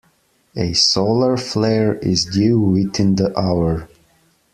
A solar flare is due within the hour.